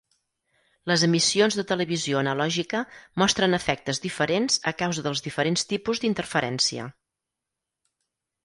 Les emissions de televisió analògica mostren efectes diferents a causa dels diferents tipus d'interferència.